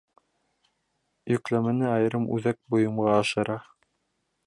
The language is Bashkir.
Йөкләмәне айырым үҙәк бойомға ашыра.